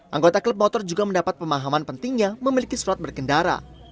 anggota klub motor juga mendapat pemahaman pentingnya memiliki surat berkendara